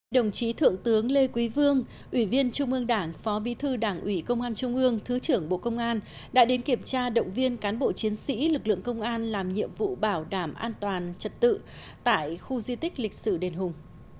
đồng chí thượng tướng lê quý vương ủy viên trung ương đảng phó bí thư đảng ủy công an trung ương thứ trưởng bộ công an đã đến kiểm tra động viên cán bộ chiến sĩ lực lượng công an làm nhiệm vụ bảo đảm an toàn trật tự tại khu di tích lịch sử đền hùng